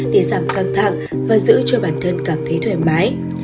để giảm căng thẳng và giữ cho bản thân cảm thấy thoải mái